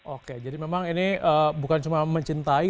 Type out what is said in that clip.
oke jadi memang ini bukan cuma mencintai